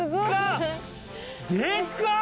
でかっ！